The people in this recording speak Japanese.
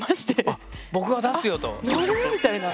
あっ僕が出すよと。